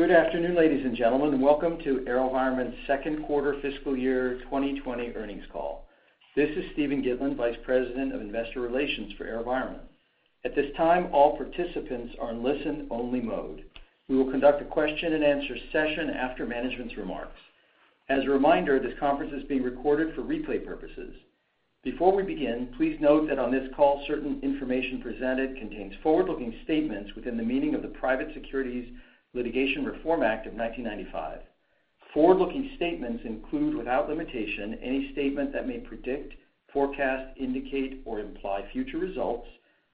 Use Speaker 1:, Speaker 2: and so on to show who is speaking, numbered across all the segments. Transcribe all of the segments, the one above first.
Speaker 1: Good afternoon, ladies and gentlemen. Welcome to AeroVironment's second quarter fiscal year 2020 earnings call. This is Steven Gitlin, Vice President of Investor Relations for AeroVironment. At this time, all participants are in listen-only mode. We will conduct a question and answer session after management's remarks. As a reminder, this conference is being recorded for replay purposes. Before we begin, please note that on this call, certain information presented contains forward-looking statements within the meaning of the Private Securities Litigation Reform Act of 1995. Forward-looking statements include, without limitation, any statement that may predict, forecast, indicate, or imply future results,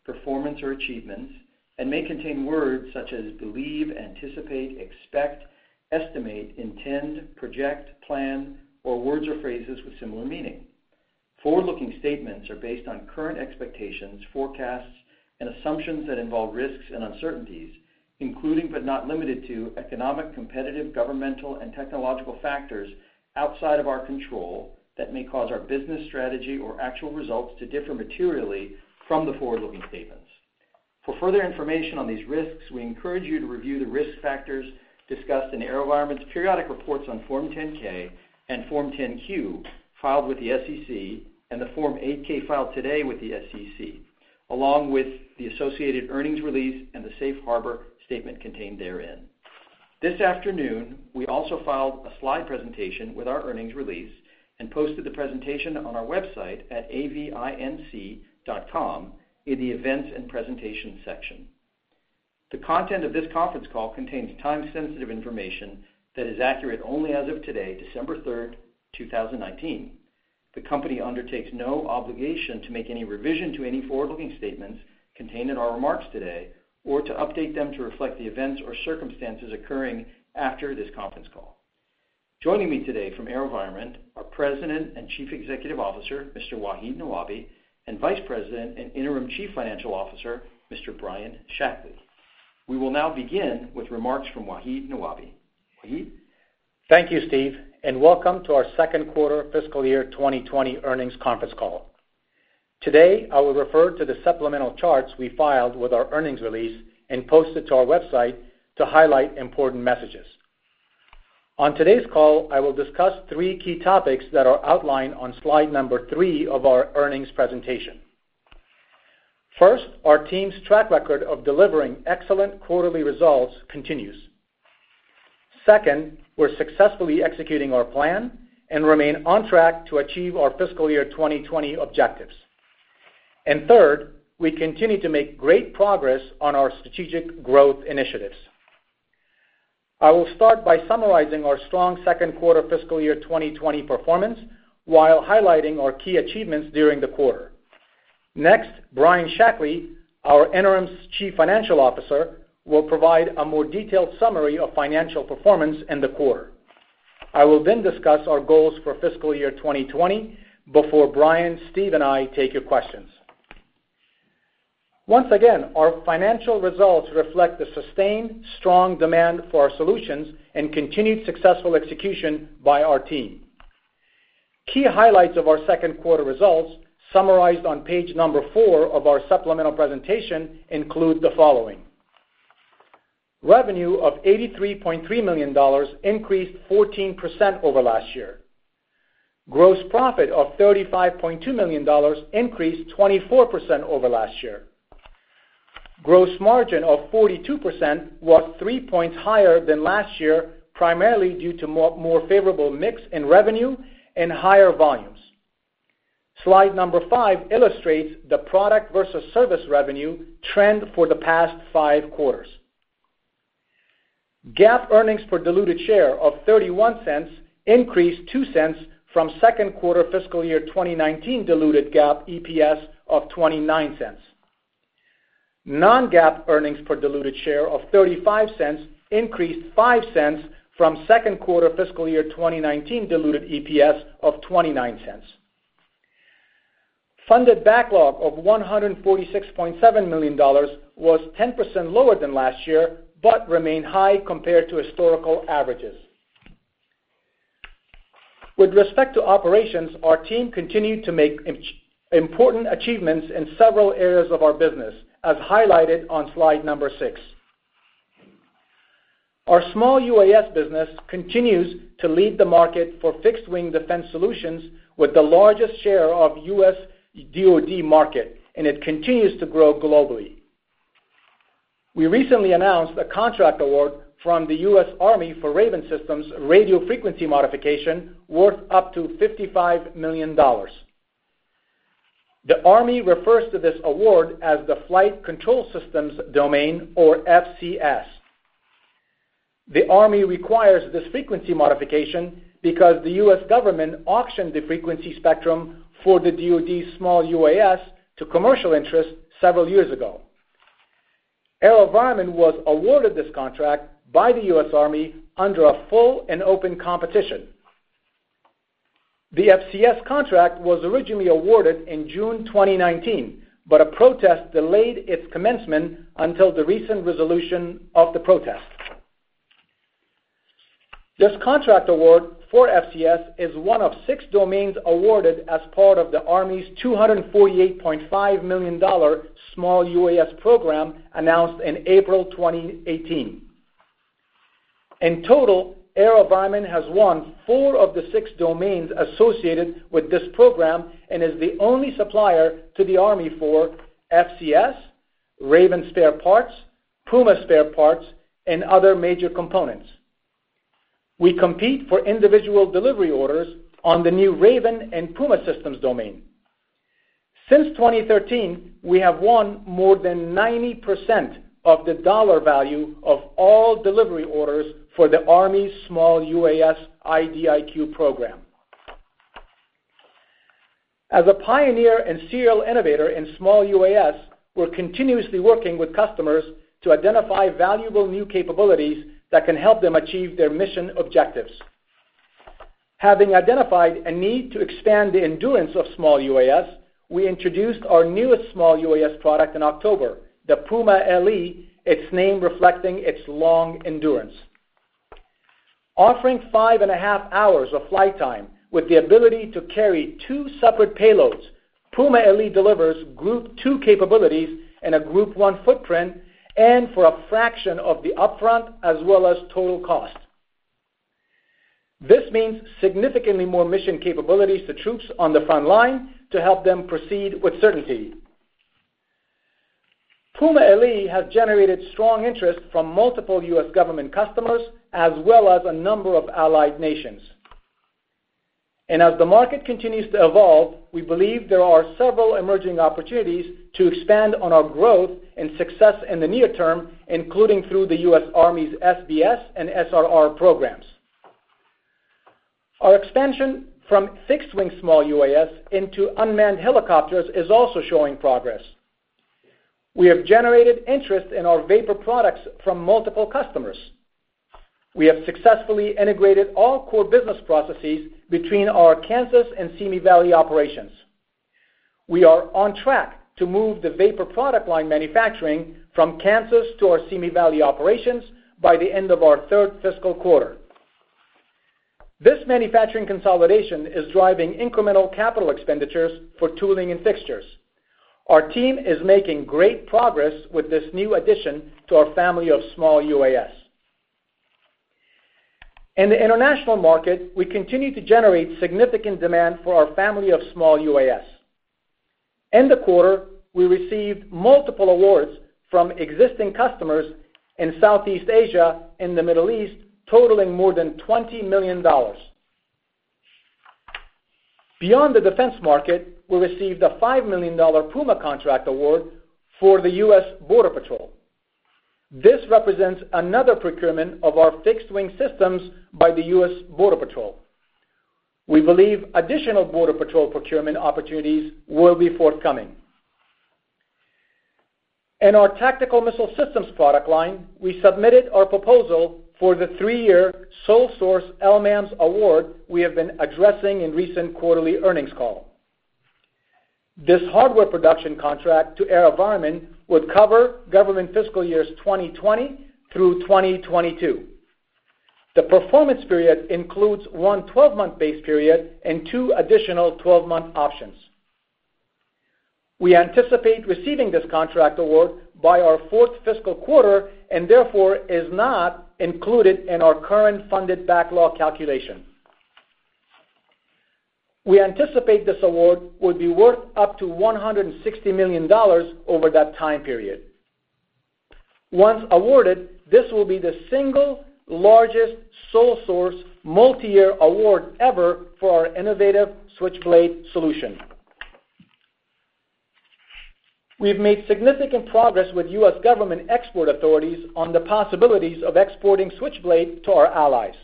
Speaker 1: performance, or achievements, and may contain words such as believe, anticipate, expect, estimate, intend, project, plan, or words or phrases with similar meaning. Forward-looking statements are based on current expectations, forecasts, and assumptions that involve risks and uncertainties, including but not limited to economic, competitive, governmental, and technological factors outside of our control that may cause our business strategy or actual results to differ materially from the forward-looking statements. For further information on these risks, we encourage you to review the risk factors discussed in AeroVironment's periodic reports on Form 10-K and Form 10-Q filed with the SEC, and the Form 8-K filed today with the SEC, along with the associated earnings release and the safe harbor statement contained therein. This afternoon, we also filed a slide presentation with our earnings release and posted the presentation on our website at avinc.com in the Events and Presentation section. The content of this conference call contains time-sensitive information that is accurate only as of today, December 3rd, 2019. The company undertakes no obligation to make any revision to any forward-looking statements contained in our remarks today or to update them to reflect the events or circumstances occurring after this conference call. Joining me today from AeroVironment are President and Chief Executive Officer, Mr. Wahid Nawabi, and Vice President and Interim Chief Financial Officer, Mr. Brian Shackley. We will now begin with remarks from Wahid Nawabi. Wahid?
Speaker 2: Thank you, Steve, and welcome to our second quarter fiscal year 2020 earnings conference call. Today, I will refer to the supplemental charts we filed with our earnings release and posted to our website to highlight important messages. On today's call, I will discuss three key topics that are outlined on slide number three of our earnings presentation. First, our team's track record of delivering excellent quarterly results continues. Second, we're successfully executing our plan and remain on track to achieve our fiscal year 2020 objectives. Third, we continue to make great progress on our strategic growth initiatives. I will start by summarizing our strong second quarter fiscal year 2020 performance while highlighting our key achievements during the quarter. Next, Brian Shackley, our Interim Chief Financial Officer, will provide a more detailed summary of financial performance in the quarter. I will then discuss our goals for fiscal year 2020 before Brian, Steve, and I take your questions. Once again, our financial results reflect the sustained strong demand for our solutions and continued successful execution by our team. Key highlights of our second quarter results, summarized on page number four of our supplemental presentation, include the following. Revenue of $83.3 million increased 14% over last year. Gross profit of $35.2 million increased 24% over last year. Gross margin of 42% was three points higher than last year, primarily due to more favorable mix in revenue and higher volumes. Slide number five illustrates the product versus service revenue trend for the past five quarters. GAAP earnings per diluted share of $0.31 increased $0.02 from second quarter fiscal year 2019 diluted GAAP EPS of $0.29. Non-GAAP earnings per diluted share of $0.35 increased $0.05 from second quarter fiscal year 2019 diluted EPS of $0.29. Funded backlog of $146.7 million was 10% lower than last year, but remained high compared to historical averages. With respect to operations, our team continued to make important achievements in several areas of our business, as highlighted on slide number six. Our small UAS business continues to lead the market for fixed-wing defense solutions with the largest share of U.S. DoD market, and it continues to grow globally. We recently announced a contract award from the U.S. Army for Raven Systems radio frequency modification worth up to $55 million. The Army refers to this award as the Flight Control Systems domain or FCS. The Army requires this frequency modification because the U.S. government auctioned the frequency spectrum for the DoD's small UAS to commercial interests several years ago. AeroVironment was awarded this contract by the U.S. Army under a full and open competition. The FCS contract was originally awarded in June 2019, but a protest delayed its commencement until the recent resolution of the protest. This contract award for FCS is one of six domains awarded as part of the Army's $248.5 million small UAS program announced in April 2018. In total, AeroVironment has won four of the six domains associated with this program and is the only supplier to the Army for FCS, Raven spare parts, Puma spare parts, and other major components. We compete for individual delivery orders on the new Raven and Puma systems domain. Since 2013, we have won more than 90% of the dollar value of all delivery orders for the Army's small UAS IDIQ program. As a pioneer and serial innovator in small UAS, we're continuously working with customers to identify valuable new capabilities that can help them achieve their mission objectives. Having identified a need to expand the endurance of small UAS, we introduced our newest small UAS product in October, the Puma LE, its name reflecting its long endurance. Offering five and a half hours of flight time with the ability to carry two separate payloads, Puma LE delivers Group 2 capabilities in a Group 1 footprint and for a fraction of the upfront as well as total cost. This means significantly more mission capabilities to troops on the front line to help them proceed with certainty. Puma LE has generated strong interest from multiple U.S. government customers, as well as a number of allied nations. As the market continues to evolve, we believe there are several emerging opportunities to expand on our growth and success in the near term, including through the U.S. Army's SBS and SRR programs. Our expansion from fixed-wing small UAS into unmanned helicopters is also showing progress. We have generated interest in our VAPOR products from multiple customers. We have successfully integrated all core business processes between our Kansas and Simi Valley operations. We are on track to move the VAPOR product line manufacturing from Kansas to our Simi Valley operations by the end of our third fiscal quarter. This manufacturing consolidation is driving incremental capital expenditures for tooling and fixtures. Our team is making great progress with this new addition to our family of small UAS. In the international market, we continue to generate significant demand for our family of small UAS. In the quarter, we received multiple awards from existing customers in Southeast Asia and the Middle East totaling more than $20 million. Beyond the defense market, we received a $5 million Puma contract award for the U.S. Border Patrol. This represents another procurement of our fixed-wing systems by the U.S. Border Patrol. We believe additional Border Patrol procurement opportunities will be forthcoming. In our tactical missile systems product line, we submitted our proposal for the three-year sole source LMAMS award we have been addressing in recent quarterly earnings call. This hardware production contract to AeroVironment would cover government fiscal years 2020 through 2022. The performance period includes one 12-month base period and two additional 12-month options. We anticipate receiving this contract award by our fourth fiscal quarter, and therefore is not included in our current funded backlog calculation. We anticipate this award will be worth up to $160 million over that time period. Once awarded, this will be the single largest sole source multi-year award ever for our innovative Switchblade solution. We've made significant progress with U.S. government export authorities on the possibilities of exporting Switchblade to our allies.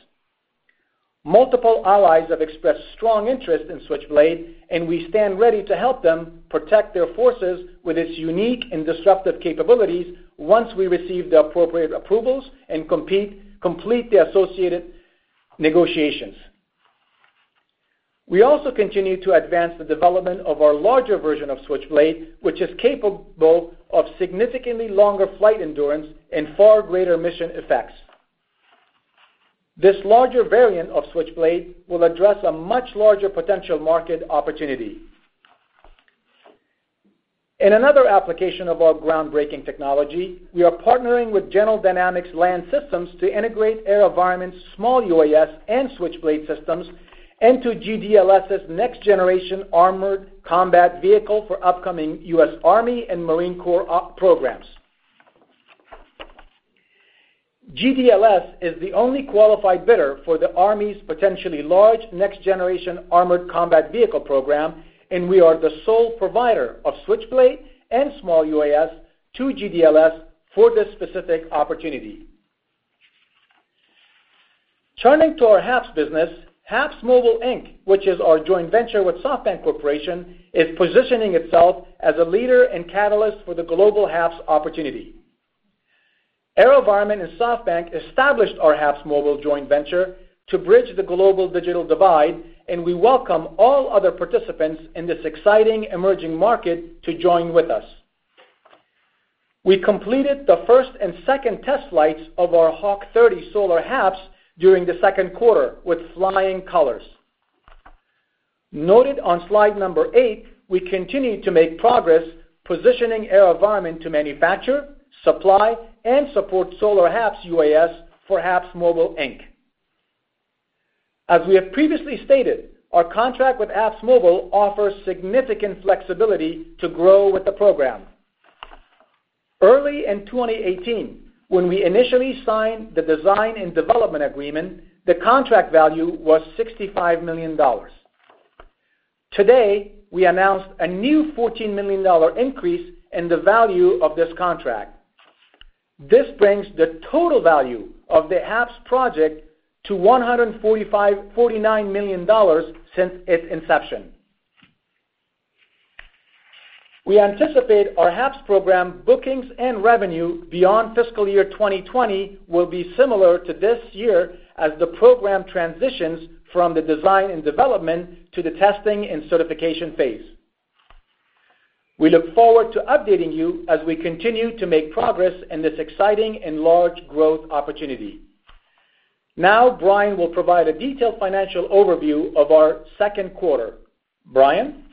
Speaker 2: Multiple allies have expressed strong interest in Switchblade, and we stand ready to help them protect their forces with its unique and disruptive capabilities once we receive the appropriate approvals and complete the associated negotiations. We also continue to advance the development of our larger version of Switchblade, which is capable of significantly longer flight endurance and far greater mission effects. This larger variant of Switchblade will address a much larger potential market opportunity. In another application of our groundbreaking technology, we are partnering with General Dynamics Land Systems to integrate AeroVironment's small UAS and Switchblade systems into GDLS' next-generation armored combat vehicle for upcoming US Army and Marine Corps programs. GDLS is the only qualified bidder for the Army's potentially large next-generation armored combat vehicle program, and we are the sole provider of Switchblade and small UAS to GDLS for this specific opportunity. Turning to our HAPS business, HAPSMobile, Inc., which is our joint venture with SoftBank Corp., is positioning itself as a leader and catalyst for the global HAPS opportunity. AeroVironment and SoftBank established our HAPSMobile joint venture to bridge the global digital divide, and we welcome all other participants in this exciting emerging market to join with us. We completed the first and second test flights of our HAWK30 solar HAPS during the second quarter with flying colors. Noted on slide number eight, we continue to make progress positioning AeroVironment to manufacture, supply, and support solar HAPS UAS for HAPSMobile, Inc. As we have previously stated, our contract with HAPSMobile offers significant flexibility to grow with the program. Early in 2018, when we initially signed the design and development agreement, the contract value was $65 million. Today, we announced a new $14 million increase in the value of this contract. This brings the total value of the HAPS project to $149 million since its inception. We anticipate our HAPS program bookings and revenue beyond fiscal year 2020 will be similar to this year as the program transitions from the design and development to the testing and certification phase. We look forward to updating you as we continue to make progress in this exciting and large growth opportunity. Now, Brian will provide a detailed financial overview of our second quarter. Brian?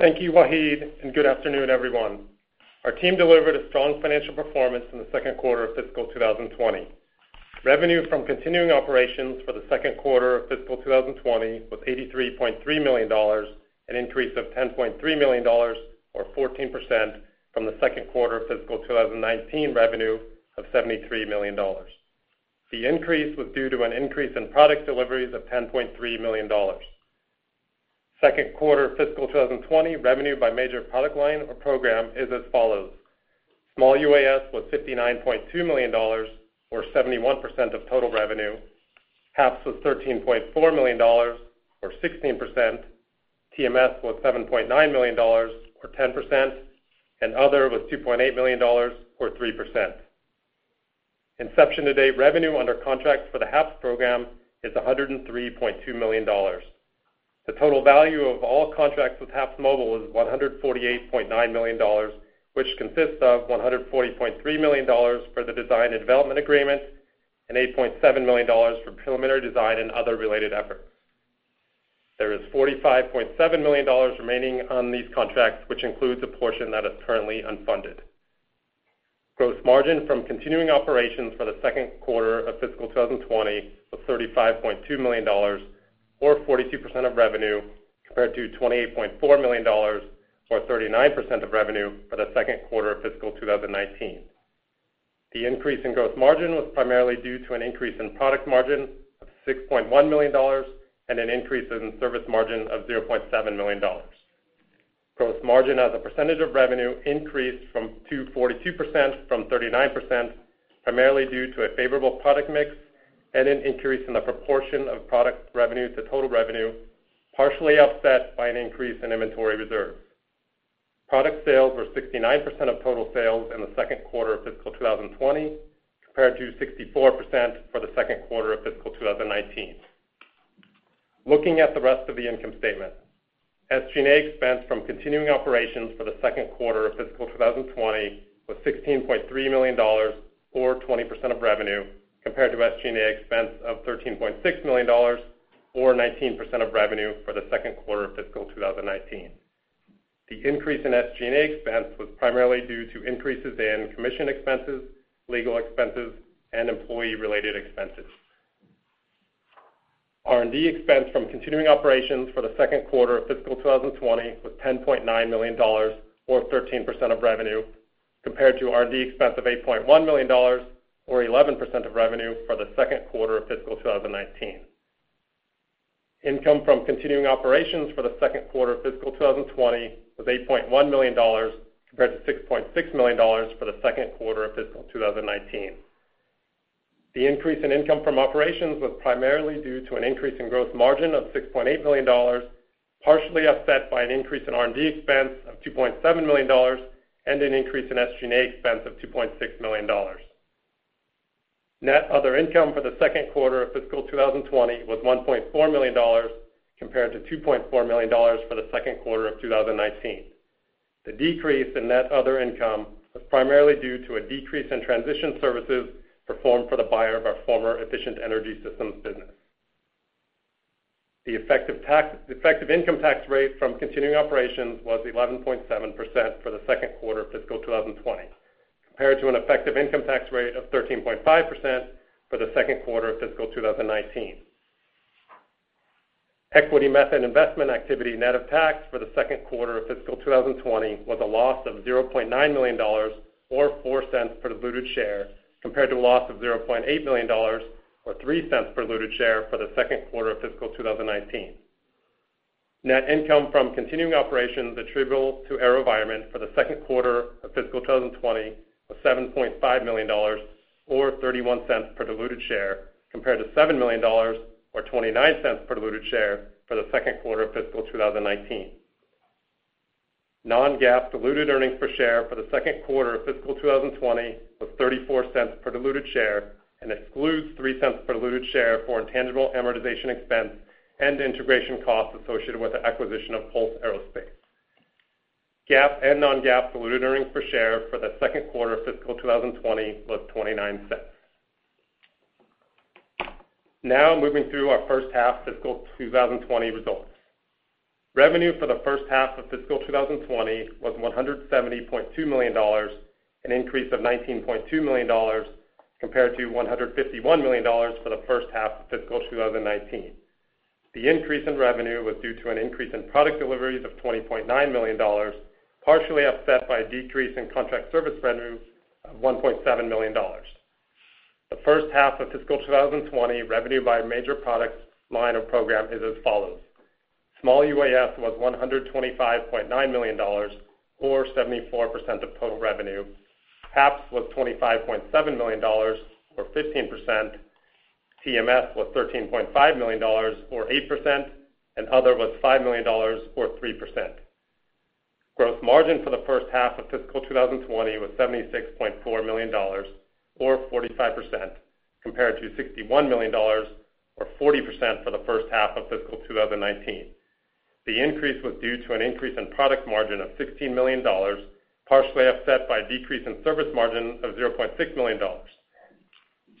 Speaker 3: Thank you, Wahid, and good afternoon, everyone. Our team delivered a strong financial performance in the second quarter of fiscal 2020. Revenue from continuing operations for the second quarter of fiscal 2020 was $83.3 million, an increase of $10.3 million or 14% from the second quarter of fiscal 2019 revenue of $73 million. The increase was due to an increase in product deliveries of $10.3 million. Second quarter fiscal 2020 revenue by major product line or program is as follows. Small UAS was $59.2 million, or 71% of total revenue. HAPS was $13.4 million or 16%. TMS was $7.9 million or 10%, and other was $2.8 million or 3%. Inception to date revenue under contracts for the HAPS program is $103.2 million. The total value of all contracts with HAPSMobile is $148.9 million, which consists of $140.3 million for the design and development agreement and $8.7 million for preliminary design and other related efforts. There is $45.7 million remaining on these contracts, which includes a portion that is currently unfunded. Gross margin from continuing operations for the second quarter of fiscal 2020 was $35.2 million, or 42% of revenue, compared to $28.4 million, or 39% of revenue for the second quarter of fiscal 2019. The increase in gross margin was primarily due to an increase in product margin of $6.1 million and an increase in service margin of $0.7 million. Gross margin as a percentage of revenue increased to 42% from 39%, primarily due to a favorable product mix and an increase in the proportion of product revenue to total revenue, partially offset by an increase in inventory reserves. Product sales were 69% of total sales in the second quarter of fiscal 2020, compared to 64% for the second quarter of fiscal 2019. Looking at the rest of the income statement. SG&A expense from continuing operations for the second quarter of fiscal 2020 was $16.3 million, or 20% of revenue, compared to SG&A expense of $13.6 million, or 19% of revenue for the second quarter of fiscal 2019. The increase in SG&A expense was primarily due to increases in commission expenses, legal expenses, and employee-related expenses. R&D expense from continuing operations for the second quarter of fiscal 2020 was $10.9 million, or 13% of revenue, compared to R&D expense of $8.1 million, or 11% of revenue for the second quarter of fiscal 2019. Income from continuing operations for the second quarter of fiscal 2020 was $8.1 million, compared to $6.6 million for the second quarter of fiscal 2019. The increase in income from operations was primarily due to an increase in gross margin of $6.8 million, partially offset by an increase in R&D expense of $2.7 million and an increase in SG&A expense of $2.6 million. Net other income for the second quarter of fiscal 2020 was $1.4 million, compared to $2.4 million for the second quarter of 2019. The decrease in net other income was primarily due to a decrease in transition services performed for the buyer of our former Efficient Energy Systems business. The effective income tax rate from continuing operations was 11.7% for the second quarter of fiscal 2020, compared to an effective income tax rate of 13.5% for the second quarter of fiscal 2019. Equity method investment activity net of tax for the second quarter of fiscal 2020 was a loss of $0.9 million, or $0.04 per diluted share, compared to a loss of $0.8 million or $0.03 per diluted share for the second quarter of fiscal 2019. Net income from continuing operations attributable to AeroVironment for the second quarter of fiscal 2020 was $7.5 million or $0.31 per diluted share, compared to $7 million or $0.29 per diluted share for the second quarter of fiscal 2019. Non-GAAP diluted earnings per share for the second quarter of fiscal 2020 was $0.34 per diluted share and excludes $0.03 per diluted share for intangible amortization expense and integration costs associated with the acquisition of Pulse Aerospace. GAAP and non-GAAP diluted earnings per share for the second quarter of fiscal 2020 was $0.29. Moving through our first half fiscal 2020 results. Revenue for the first half of fiscal 2020 was $170.2 million, an increase of $19.2 million compared to $151 million for the first half of fiscal 2019. The increase in revenue was due to an increase in product deliveries of $20.9 million, partially offset by a decrease in contract service revenue of $1.7 million. The first half of fiscal 2020 revenue by major product line or program is as follows: Small UAS was $125.9 million, or 74% of total revenue, HAPS was $25.7 million, or 15%, TMS was $13.5 million, or 8%, and other was $5 million, or 3%. Gross margin for the first half of fiscal 2020 was $76.4 million, or 45%, compared to $61 million, or 40% for the first half of fiscal 2019. The increase was due to an increase in product margin of $16 million, partially offset by a decrease in service margin of $0.6 million.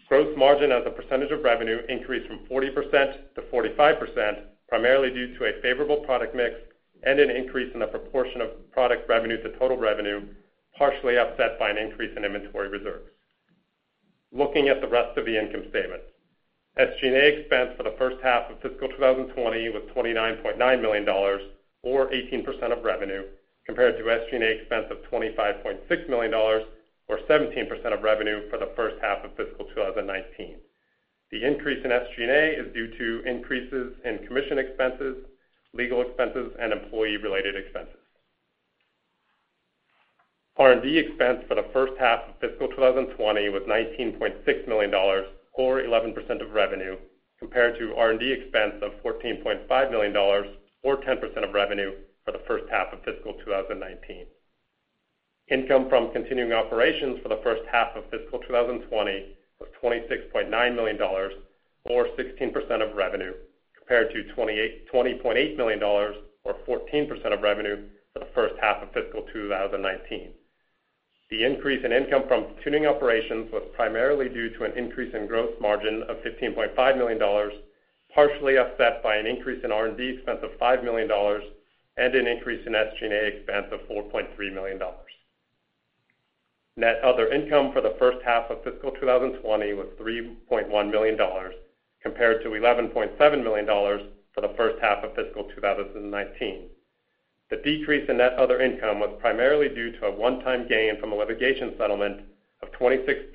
Speaker 3: Gross margin as a percentage of revenue increased from 40% to 45%, primarily due to a favorable product mix and an increase in the proportion of product revenue to total revenue, partially offset by an increase in inventory reserves. Looking at the rest of the income statement. SG&A expense for the first half of fiscal 2020 was $29.9 million, or 18% of revenue, compared to SG&A expense of $25.6 million, or 17% of revenue for the first half of fiscal 2019. The increase in SG&A is due to increases in commission expenses, legal expenses, and employee-related expenses. R&D expense for the first half of fiscal 2020 was $19.6 million, or 11% of revenue, compared to R&D expense of $14.5 million, or 10% of revenue for the first half of fiscal 2019. Income from continuing operations for the first half of fiscal 2020 was $26.9 million, or 16% of revenue, compared to $20.8 million, or 14% of revenue for the first half of fiscal 2019. The increase in income from continuing operations was primarily due to an increase in gross margin of $15.5 million, partially offset by an increase in R&D expense of $5 million and an increase in SG&A expense of $4.3 million. Net other income for the first half of fiscal 2020 was $3.1 million, compared to $11.7 million for the first half of fiscal 2019. The decrease in net other income was primarily due to a one-time gain from a litigation settlement of $0.26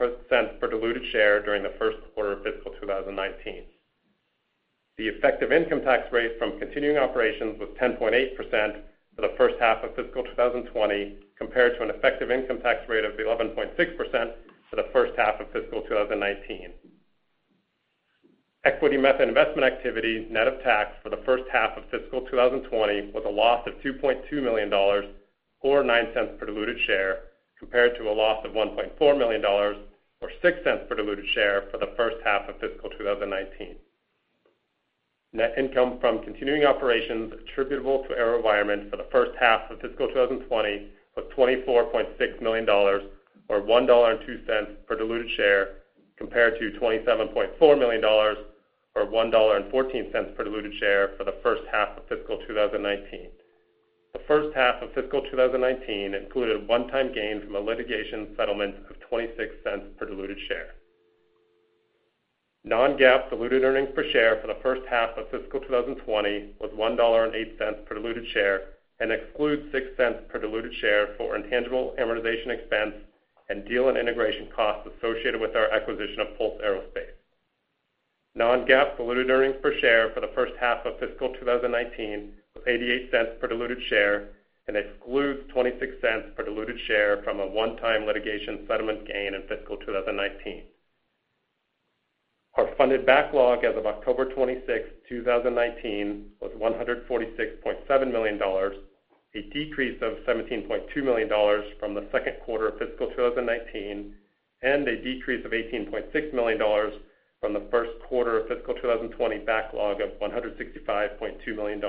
Speaker 3: per diluted share during the first quarter of fiscal 2019. The effective income tax rate from continuing operations was 10.8% for the first half of fiscal 2020, compared to an effective income tax rate of 11.6% for the first half of fiscal 2019. Equity method investment activity, net of tax, for the first half of fiscal 2020 was a loss of $2.2 million, or $0.09 per diluted share, compared to a loss of $1.4 million, or $0.06 per diluted share for the first half of fiscal 2019. Net income from continuing operations attributable to AeroVironment for the first half of fiscal 2020 was $24.6 million, or $1.02 per diluted share, compared to $27.4 million, or $1.14 per diluted share for the first half of fiscal 2019. The first half of fiscal 2019 included a one-time gain from a litigation settlement of $0.26 per diluted share. Non-GAAP diluted earnings per share for the first half of fiscal 2020 was $1.08 per diluted share and excludes $0.06 per diluted share for intangible amortization expense and deal and integration costs associated with our acquisition of Pulse Aerospace. Non-GAAP diluted earnings per share for the first half of fiscal 2019 was $0.88 per diluted share and excludes $0.26 per diluted share from a one-time litigation settlement gain in fiscal 2019. Our funded backlog as of October 26th, 2019 was $146.7 million, a decrease of $17.2 million from the second quarter of fiscal 2019, and a decrease of $18.6 million from the first quarter of fiscal 2020 backlog of $165.2 million.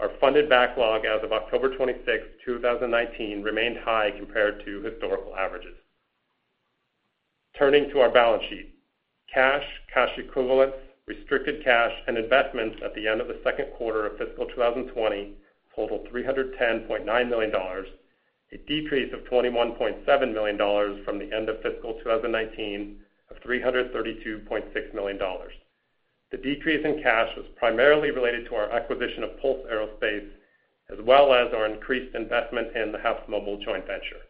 Speaker 3: Our funded backlog as of October 26th, 2019 remained high compared to historical averages. Turning to our balance sheet. Cash, cash equivalents, restricted cash, and investments at the end of the second quarter of fiscal 2020 totaled $310.9 million, a decrease of $21.7 million from the end of fiscal 2019 of $332.6 million. The decrease in cash was primarily related to our acquisition of Pulse Aerospace, as well as our increased investment in the HAPSMobile joint venture.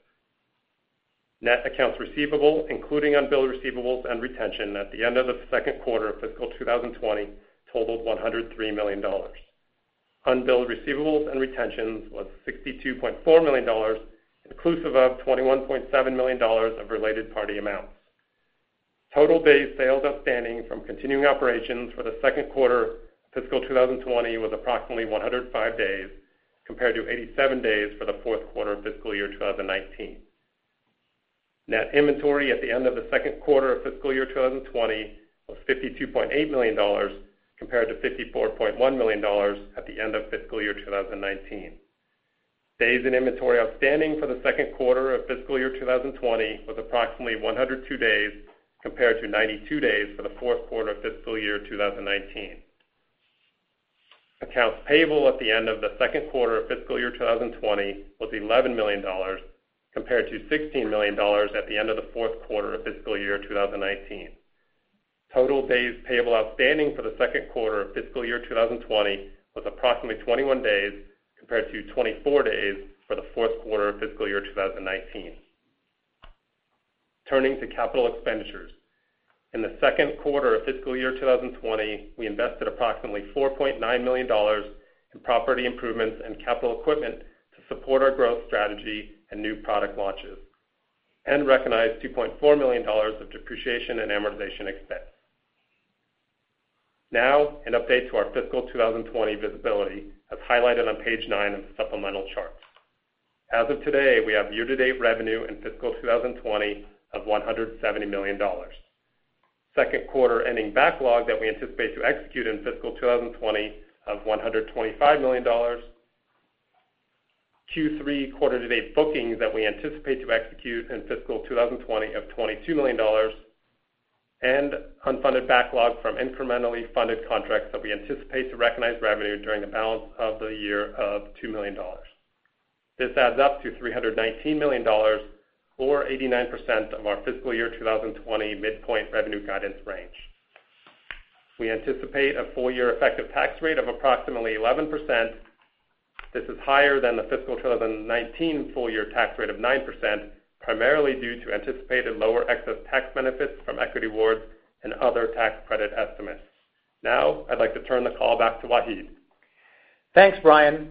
Speaker 3: Net accounts receivable, including unbilled receivables and retention at the end of the second quarter of fiscal 2020 totaled $103 million. Unbilled receivables and retentions was $62.4 million, inclusive of $21.7 million of related party amounts. Total days sales outstanding from continuing operations for the second quarter fiscal 2020 was approximately 105 days, compared to 87 days for the fourth quarter of fiscal year 2019. Net inventory at the end of the second quarter of fiscal year 2020 was $52.8 million, compared to $54.1 million at the end of fiscal year 2019. Days in inventory outstanding for the second quarter of fiscal year 2020 was approximately 102 days, compared to 92 days for the fourth quarter of fiscal year 2019. Accounts payable at the end of the second quarter of fiscal year 2020 was $11 million, compared to $16 million at the end of the fourth quarter of fiscal year 2019. Total days payable outstanding for the second quarter of fiscal year 2020 was approximately 21 days, compared to 24 days for the fourth quarter of fiscal year 2019. Turning to capital expenditures. In the second quarter of fiscal year 2020, we invested approximately $4.9 million in property improvements and capital equipment to support our growth strategy and new product launches, and recognized $2.4 million of depreciation and amortization expense. An update to our fiscal 2020 visibility, as highlighted on page nine of the supplemental charts. As of today, we have year-to-date revenue in fiscal 2020 of $170 million. Second quarter ending backlog that we anticipate to execute in fiscal 2020 of $125 million, Q3 quarter-to-date bookings that we anticipate to execute in fiscal 2020 of $22 million, and unfunded backlog from incrementally funded contracts that we anticipate to recognize revenue during the balance of the year of $2 million. This adds up to $319 million, or 89% of our fiscal year 2020 midpoint revenue guidance range. We anticipate a full-year effective tax rate of approximately 11%. This is higher than the fiscal 2019 full-year tax rate of 9%, primarily due to anticipated lower excess tax benefits from equity awards and other tax credit estimates. I'd like to turn the call back to Wahid.
Speaker 2: Thanks, Brian.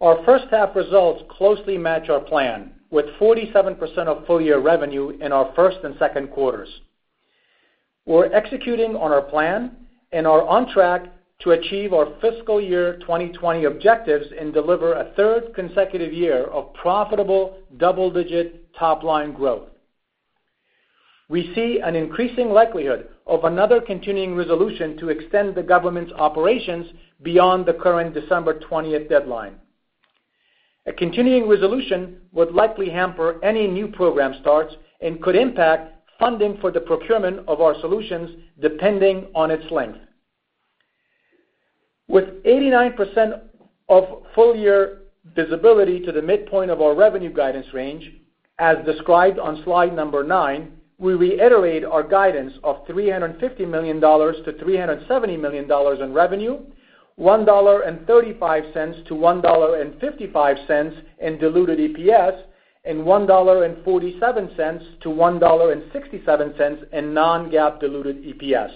Speaker 2: Our first half results closely match our plan, with 47% of full-year revenue in our first and second quarters. We're executing on our plan and are on track to achieve our fiscal year 2020 objectives and deliver a third consecutive year of profitable double-digit top-line growth. We see an increasing likelihood of another continuing resolution to extend the government's operations beyond the current December 20th deadline. A continuing resolution would likely hamper any new program starts and could impact funding for the procurement of our solutions, depending on its length. With 89% of full-year visibility to the midpoint of our revenue guidance range, as described on slide number nine, we reiterate our guidance of $350 million-$370 million in revenue, $1.35-$1.55 in diluted EPS, and $1.47-$1.67 in non-GAAP diluted EPS.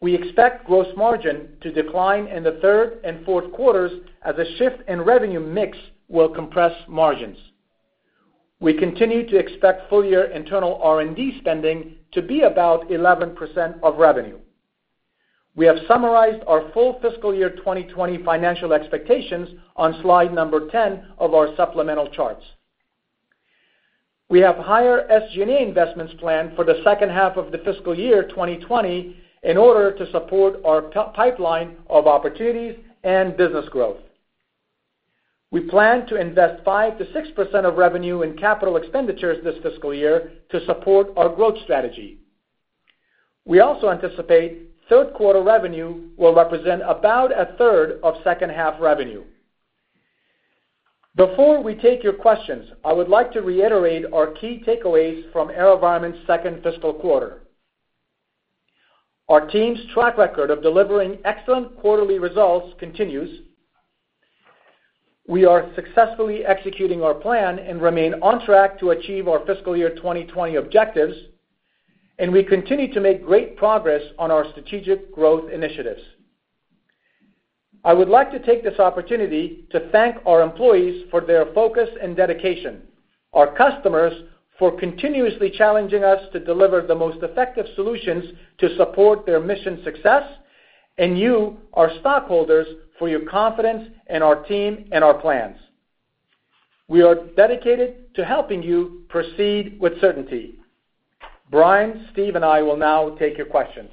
Speaker 2: We expect gross margin to decline in the third and fourth quarters as a shift in revenue mix will compress margins. We continue to expect full-year internal R&D spending to be about 11% of revenue. We have summarized our full fiscal year 2020 financial expectations on slide number 10 of our supplemental charts. We have higher SG&A investments planned for the second half of the fiscal year 2020 in order to support our top pipeline of opportunities and business growth. We plan to invest 5%-6% of revenue in capital expenditures this fiscal year to support our growth strategy. We also anticipate third quarter revenue will represent about a third of second half revenue. Before we take your questions, I would like to reiterate our key takeaways from AeroVironment's second fiscal quarter. Our team's track record of delivering excellent quarterly results continues. We are successfully executing our plan and remain on track to achieve our fiscal year 2020 objectives. We continue to make great progress on our strategic growth initiatives. I would like to take this opportunity to thank our employees for their focus and dedication, our customers for continuously challenging us to deliver the most effective solutions to support their mission success, and you, our stockholders, for your confidence in our team and our plans. We are dedicated to helping you proceed with certainty. Brian, Steve, and I will now take your questions.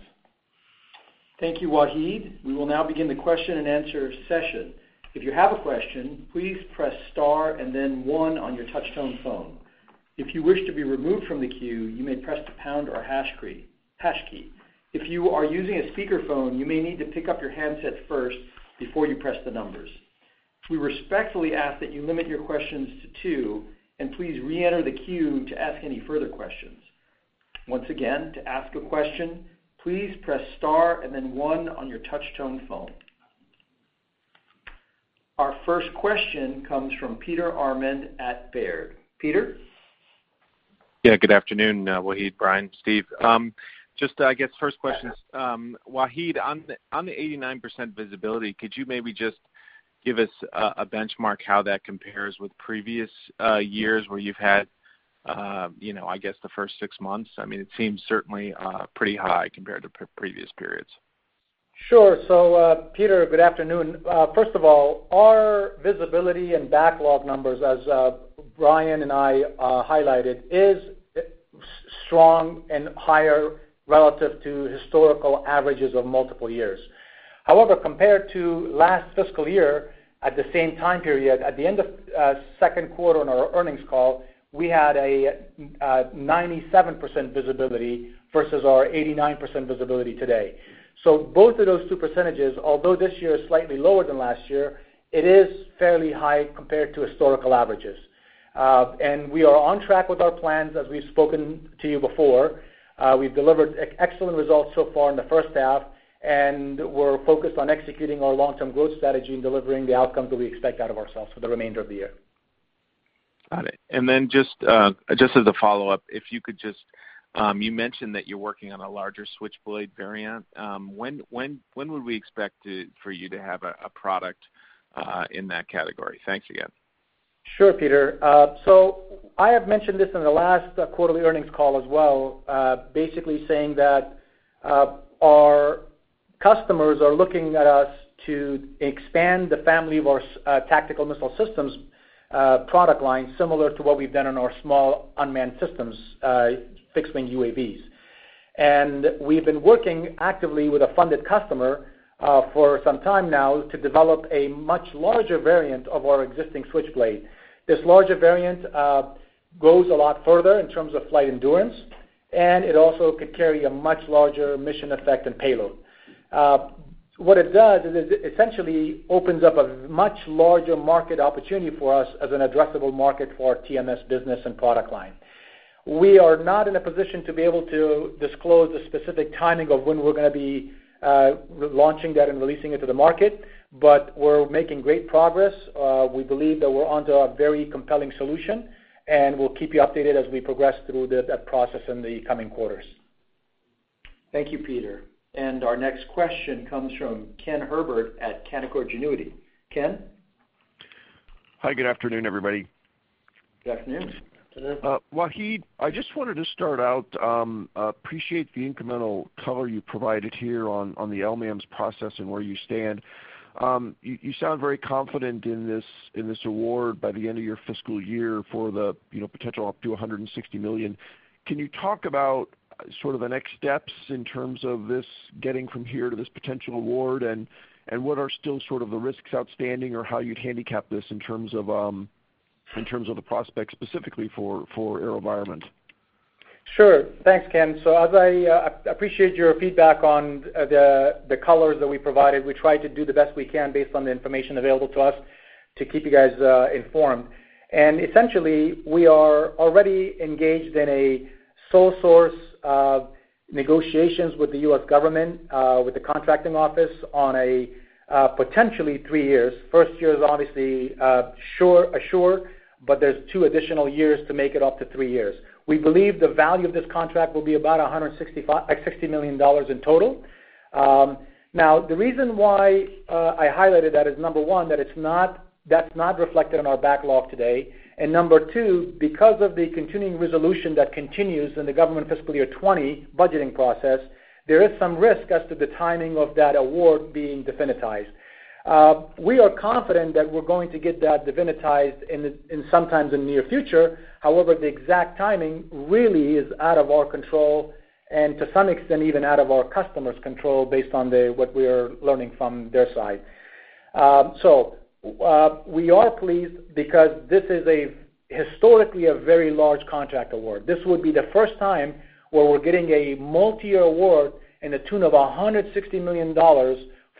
Speaker 1: Thank you, Wahid. We will now begin the question and answer session. If you have a question, please press star and then one on your touchtone phone. If you wish to be removed from the queue, you may press the pound or hash key. If you are using a speakerphone, you may need to pick up your handset first before you press the numbers. We respectfully ask that you limit your questions to two, and please reenter the queue to ask any further questions. Once again, to ask a question, please press star and then one on your touchtone phone. Our first question comes from Peter Arment at Baird. Peter?
Speaker 4: Yeah. Good afternoon, Wahid, Brian, Steve. Just, I guess first question is, Wahid, on the 89% visibility, could you maybe just give us a benchmark how that compares with previous years where you've had, I guess the first six months? It seems certainly pretty high compared to previous periods.
Speaker 2: Sure. Peter, good afternoon. First of all, our visibility and backlog numbers, as Brian and I highlighted, is strong and higher relative to historical averages of multiple years. However, compared to last fiscal year at the same time period, at the end of second quarter on our earnings call, we had a 97% visibility versus our 89% visibility today. Both of those two percentages, although this year is slightly lower than last year, it is fairly high compared to historical averages. We are on track with our plans, as we've spoken to you before. We've delivered excellent results so far in the first half, and we're focused on executing our long-term growth strategy and delivering the outcomes that we expect out of ourselves for the remainder of the year.
Speaker 4: Got it. Just as a follow-up, you mentioned that you're working on a larger Switchblade variant. When would we expect for you to have a product in that category? Thanks again.
Speaker 2: Sure, Peter. I have mentioned this in the last quarterly earnings call as well, basically saying that our customers are looking at us to expand the family of our tactical missile systems product line, similar to what we've done in our small unmanned systems, fixed-wing UAVs. We've been working actively with a funded customer for some time now to develop a much larger variant of our existing Switchblade. This larger variant goes a lot further in terms of flight endurance, and it also could carry a much larger mission effect and payload. What it does is it essentially opens up a much larger market opportunity for us as an addressable market for our TMS business and product line. We are not in a position to be able to disclose the specific timing of when we're going to be launching that and releasing it to the market, but we're making great progress. We believe that we're onto a very compelling solution, and we'll keep you updated as we progress through that process in the coming quarters.
Speaker 1: Thank you, Peter. Our next question comes from Ken Herbert at Canaccord Genuity. Ken?
Speaker 5: Hi, good afternoon, everybody.
Speaker 2: Good afternoon.
Speaker 1: Afternoon.
Speaker 5: Wahid, I just wanted to start out, appreciate the incremental color you provided here on the LMAMS process and where you stand. You sound very confident in this award by the end of your fiscal year for the potential up to $160 million. Can you talk about sort of the next steps in terms of this getting from here to this potential award, and what are still sort of the risks outstanding or how you'd handicap this in terms of the prospects specifically for AeroVironment?
Speaker 2: Thanks, Ken. I appreciate your feedback on the colors that we provided. We try to do the best we can based on the information available to us to keep you guys informed. Essentially, we are already engaged in a sole source of negotiations with the U.S. government, with the contracting office on a potentially three years. First year is obviously a sure, but there's two additional years to make it up to three years. We believe the value of this contract will be about $160 million in total. The reason why I highlighted that is number one, that's not reflected on our backlog today, and number two, because of the continuing resolution that continues in the government fiscal year 2020 budgeting process, there is some risk as to the timing of that award being definitized. We are confident that we're going to get that definitized sometimes in near future. The exact timing really is out of our control and to some extent, even out of our customer's control based on what we are learning from their side. We are pleased because this is historically a very large contract award. This would be the first time where we're getting a multi-year award in the tune of $160 million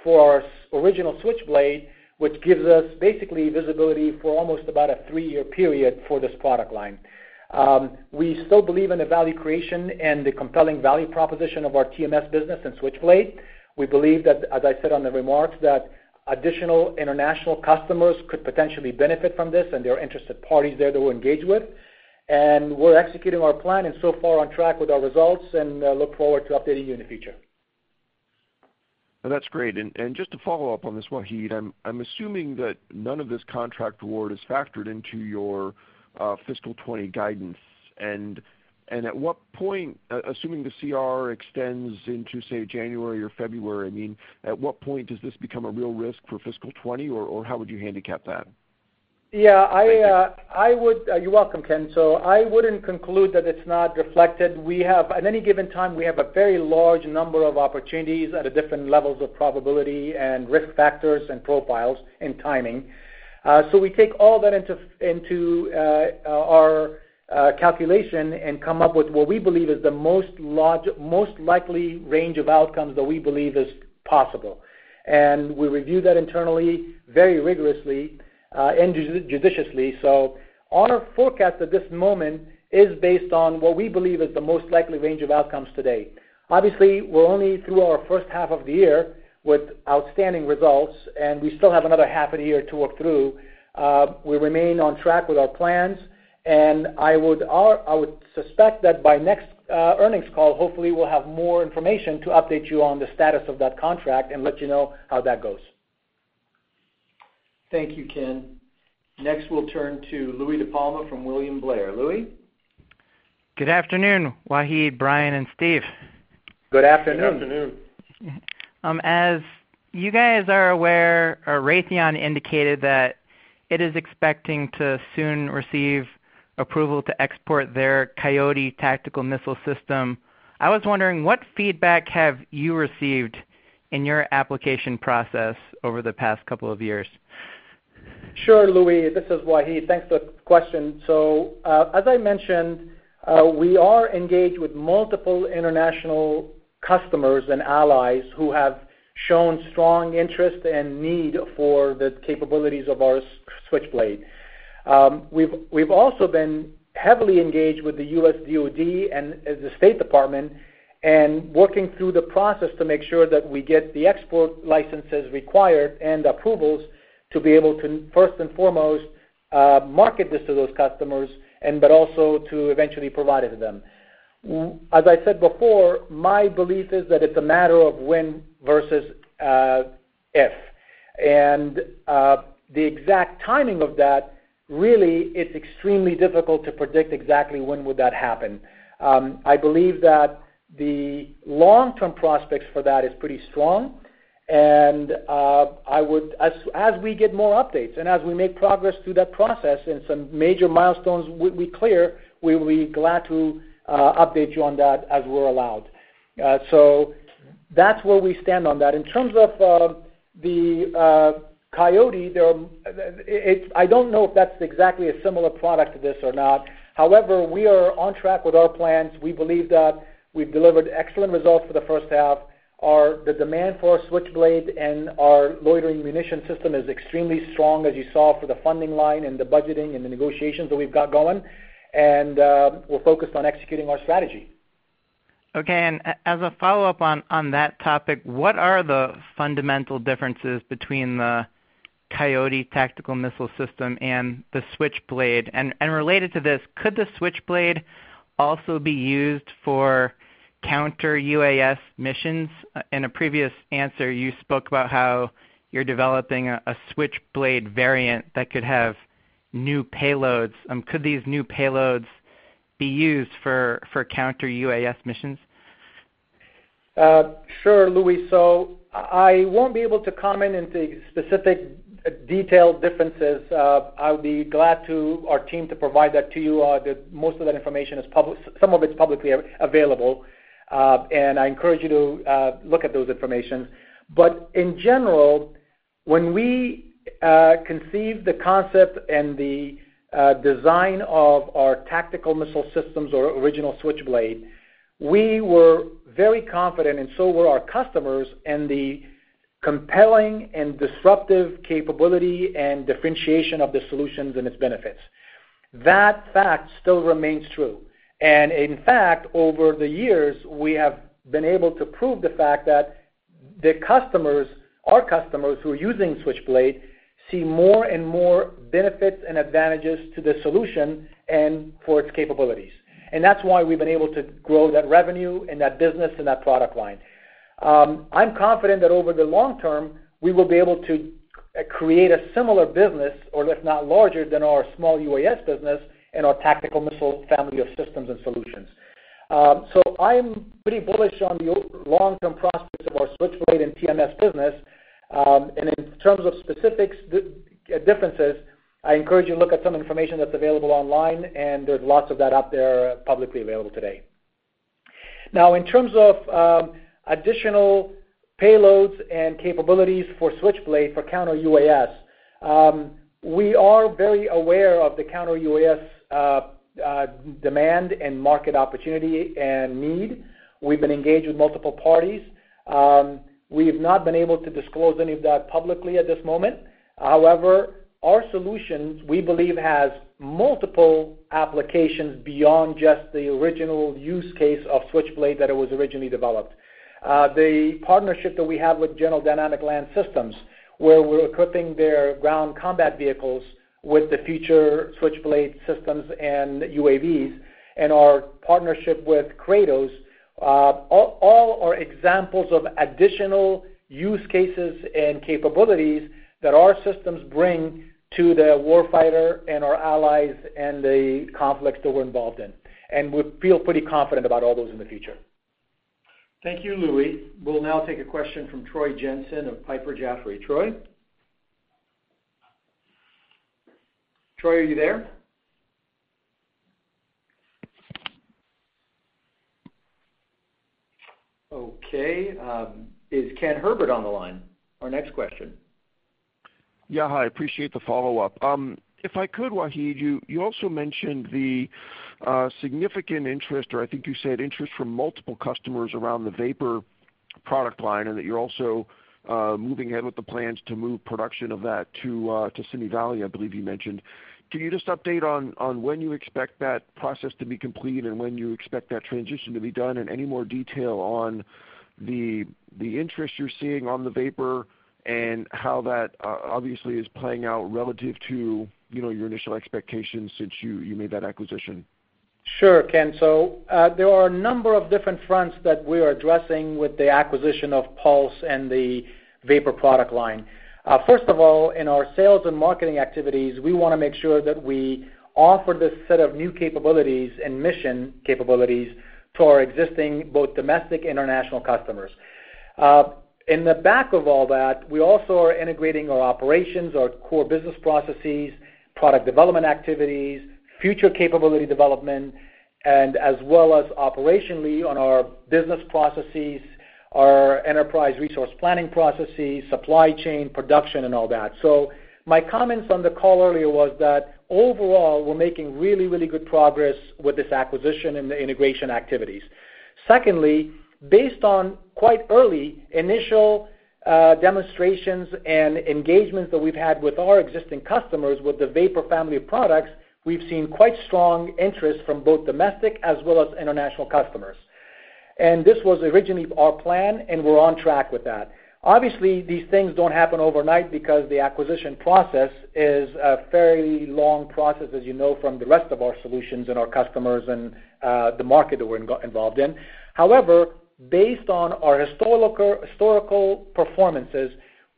Speaker 2: for our original Switchblade, which gives us basically visibility for almost about a three-year period for this product line. We still believe in the value creation and the compelling value proposition of our TMS business and Switchblade. We believe that, as I said on the remarks, that additional international customers could potentially benefit from this, and there are interested parties there that we're engaged with. We're executing our plan and so far on track with our results and look forward to updating you in the future.
Speaker 5: That's great. Just to follow up on this, Wahid, I'm assuming that none of this contract award is factored into your fiscal 2020 guidance. At what point, assuming the CR extends into, say, January or February, I mean, at what point does this become a real risk for fiscal 2020, or how would you handicap that?
Speaker 2: Yeah.
Speaker 5: Thank you.
Speaker 2: You're welcome, Ken. I wouldn't conclude that it's not reflected. At any given time, we have a very large number of opportunities at different levels of probability and risk factors and profiles and timing. We take all that into our calculation and come up with what we believe is the most likely range of outcomes that we believe is possible. We review that internally, very rigorously, and judiciously. On our forecast at this moment is based on what we believe is the most likely range of outcomes today. Obviously, we're only through our first half of the year with outstanding results, and we still have another half of the year to work through. We remain on track with our plans, and I would suspect that by next earnings call, hopefully, we'll have more information to update you on the status of that contract and let you know how that goes.
Speaker 1: Thank you, Ken. Next, we'll turn to Louie DiPalma from William Blair. Louie?
Speaker 6: Good afternoon, Wahid, Brian, and Steve.
Speaker 1: Good afternoon.
Speaker 2: Good afternoon.
Speaker 6: As you guys are aware, Raytheon indicated that it is expecting to soon receive approval to export their Coyote tactical missile system. I was wondering, what feedback have you received in your application process over the past couple of years?
Speaker 2: Sure, Louie. This is Wahid. Thanks for the question. As I mentioned, we are engaged with multiple international customers and allies who have shown strong interest and need for the capabilities of our Switchblade. We've also been heavily engaged with the U.S. DoD and the State Department, working through the process to make sure that we get the export licenses required and approvals to be able to first and foremost, market this to those customers but also to eventually provide it to them. As I said before, my belief is that it's a matter of when versus if. The exact timing of that, really, it's extremely difficult to predict exactly when would that happen. I believe that the long-term prospects for that is pretty strong. As we get more updates, and as we make progress through that process and some major milestones we clear, we'll be glad to update you on that as we're allowed. That's where we stand on that. In terms of the Coyote, I don't know if that's exactly a similar product to this or not. However, we are on track with our plans. We believe that we've delivered excellent results for the first half. The demand for our Switchblade and our loitering munition system is extremely strong as you saw for the funding line and the budgeting and the negotiations that we've got going. We're focused on executing our strategy.
Speaker 6: Okay, as a follow-up on that topic, what are the fundamental differences between the Coyote tactical missile system and the Switchblade? Related to this, could the Switchblade also be used for counter-UAS missions? In a previous answer, you spoke about how you're developing a Switchblade variant that could have new payloads. Could these new payloads be used for counter-UAS missions?
Speaker 2: Sure, Louie. I won't be able to comment into specific detailed differences. I'll be glad to our team to provide that to you. Most of that information is public. Some of it's publicly available. I encourage you to look at those information. In general, when we conceived the concept and the design of our tactical missile systems our original Switchblade, we were very confident, and so were our customers, in the compelling and disruptive capability and differentiation of the solutions and its benefits. That fact still remains true. In fact, over the years, we have been able to prove the fact that the customers, our customers who are using Switchblade, see more and more benefits and advantages to the solution and for its capabilities. That's why we've been able to grow that revenue and that business and that product line. I'm confident that over the long term, we will be able to create a similar business or if not larger than our small UAS business and our tactical missile family of systems and solutions. I'm pretty bullish on the long-term prospects of our Switchblade and TMS business. In terms of specifics differences, I encourage you to look at some information that's available online, and there's lots of that out there publicly available today. Now, in terms of additional payloads and capabilities for Switchblade for counter-UAS, we are very aware of the counter-UAS demand and market opportunity and need. We've been engaged with multiple parties. We've not been able to disclose any of that publicly at this moment. However, our solutions, we believe, has multiple applications beyond just the original use case of Switchblade that it was originally developed. The partnership that we have with General Dynamics Land Systems, where we're equipping their ground combat vehicles with the future Switchblade systems and UAVs, our partnership with Kratos, all are examples of additional use cases and capabilities that our systems bring to the warfighter and our allies in the conflicts that we're involved in. We feel pretty confident about all those in the future.
Speaker 1: Thank you, Louie. We'll now take a question from Troy Jensen of Piper Jaffray. Troy? Troy, are you there? Okay. Is Ken Herbert on the line? Our next question.
Speaker 5: Yeah. Hi. Appreciate the follow-up. If I could, Wahid, you also mentioned the significant interest, or I think you said interest from multiple customers around the VAPOR product line, and that you're also moving ahead with the plans to move production of that to Simi Valley, I believe you mentioned. Can you just update on when you expect that process to be complete and when you expect that transition to be done, and any more detail on the interest you're seeing on the VAPOR and how that obviously is playing out relative to your initial expectations since you made that acquisition?
Speaker 2: Sure, Ken. There are a number of different fronts that we are addressing with the acquisition of Pulse and the VAPOR product line. First of all, in our sales and marketing activities, we want to make sure that we offer this set of new capabilities and mission capabilities to our existing, both domestic and international customers. In the back of all that, we also are integrating our operations, our core business processes, product development activities, future capability development, and as well as operationally on our business processes, our enterprise resource planning processes, supply chain, production and all that. My comments on the call earlier was that overall, we're making really good progress with this acquisition and the integration activities. Secondly, based on quite early initial demonstrations and engagements that we've had with our existing customers with the VAPOR family of products, we've seen quite strong interest from both domestic as well as international customers. This was originally our plan, and we're on track with that. Obviously, these things don't happen overnight because the acquisition process is a very long process, as you know from the rest of our solutions and our customers and the market that we're involved in. However, based on our historical performances,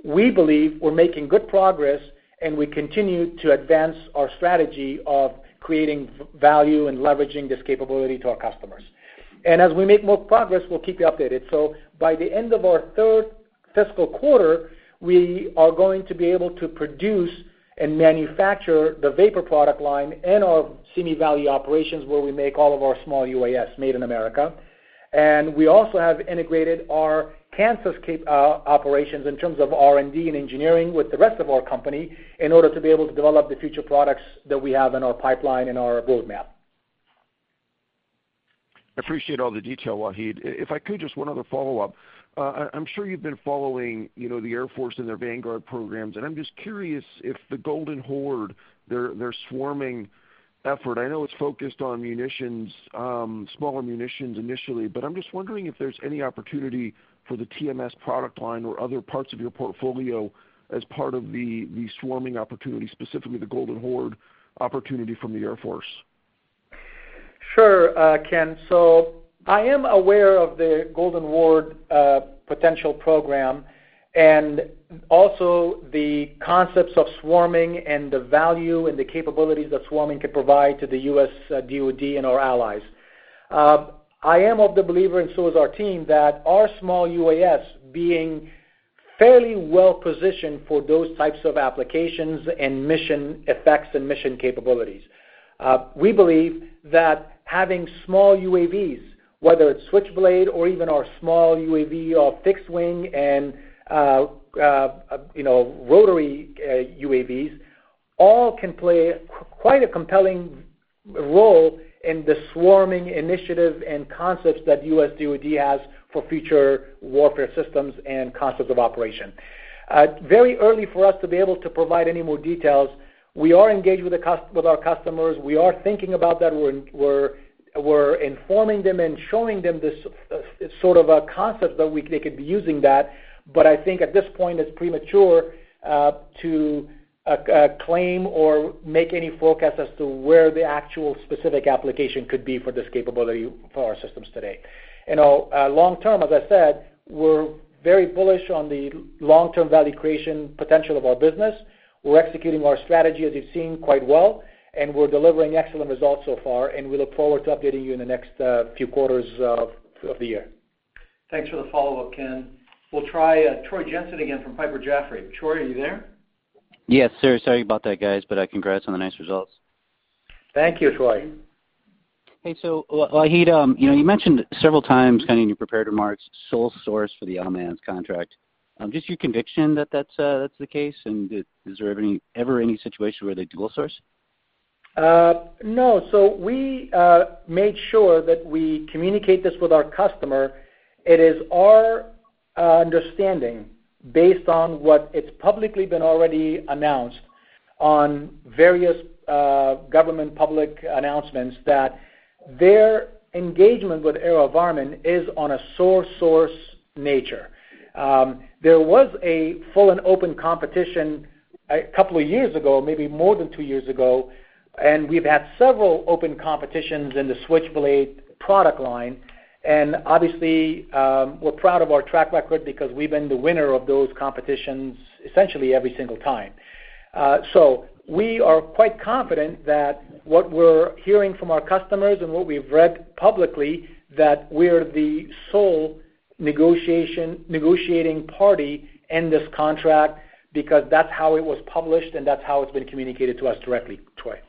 Speaker 2: we believe we're making good progress, and we continue to advance our strategy of creating value and leveraging this capability to our customers. As we make more progress, we'll keep you updated. By the end of our third fiscal quarter, we are going to be able to produce and manufacture the VAPOR product line in our Simi Valley operations, where we make all of our small UAS, made in America. We also have integrated our Kansas operations in terms of R&D and engineering with the rest of our company in order to be able to develop the future products that we have in our pipeline and our roadmap.
Speaker 5: Appreciate all the detail, Wahid. If I could, just one other follow-up. I'm sure you've been following the Air Force and their Vanguard programs. I'm just curious if the Golden Horde, their swarming effort, I know it's focused on smaller munitions initially. I'm just wondering if there's any opportunity for the TMS product line or other parts of your portfolio as part of the swarming opportunity, specifically the Golden Horde opportunity from the Air Force.
Speaker 2: Sure, Ken. I am aware of the Golden Horde potential program and also the concepts of swarming and the value and the capabilities that swarming could provide to the US DoD and our allies. I am of the believer, and so is our team, that our small UAS being fairly well-positioned for those types of applications and mission effects and mission capabilities. We believe that having small UAVs, whether it's Switchblade or even our small UAV or fixed wing and rotary UAVs, all can play quite a compelling role in the swarming initiative and concepts that US DoD has for future warfare systems and concepts of operation. Very early for us to be able to provide any more details. We are engaged with our customers. We are thinking about that. We're informing them and showing them this sort of a concept that they could be using that. I think at this point, it's premature to claim or make any forecasts as to where the actual specific application could be for this capability for our systems today. Long-term, as I said, we're very bullish on the long-term value creation potential of our business. We're executing our strategy, as you've seen, quite well, and we're delivering excellent results so far, and we look forward to updating you in the next few quarters of the year.
Speaker 1: Thanks for the follow-up, Ken. We'll try Troy Jensen again from Piper Jaffray. Troy, are you there?
Speaker 7: Yes, sir. Sorry about that, guys, Congrats on the nice results.
Speaker 1: Thank you, Troy.
Speaker 7: Hey, Wahid, you mentioned several times, kind of in your prepared remarks, sole source for the LMAMS contract. Just your conviction that that's the case, and is there ever any situation where they dual source?
Speaker 2: No. We made sure that we communicate this with our customer. It is our understanding, based on what it's publicly been already announced on various government public announcements, that their engagement with AeroVironment is on a sole source nature. There was a full and open competition a couple of years ago, maybe more than two years ago, and we've had several open competitions in the Switchblade product line, and obviously, we're proud of our track record because we've been the winner of those competitions essentially every single time. We are quite confident that what we're hearing from our customers and what we've read publicly, that we're the sole negotiating party in this contract because that's how it was published, and that's how it's been communicated to us directly, Troy.